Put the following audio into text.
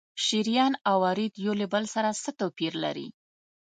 شریان او ورید یو له بل سره څه توپیر لري؟